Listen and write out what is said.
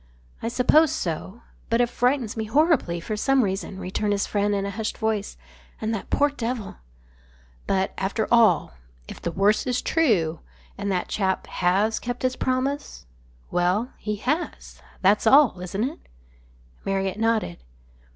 "I suppose so. But it frightens me horribly for some reason," returned his friend in a hushed voice. "And that poor devil " "But, after all, if the worst is true and and that chap has kept his promise well, he has, that's all, isn't it?" Marriott nodded.